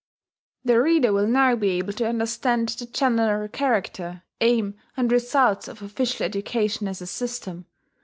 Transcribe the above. The reader will now be able to understand the general character, aim, and results of official education as a system.